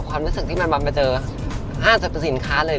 ความรู้สึกที่มันบำเจอห้ามจะเป็นสินค้าเลย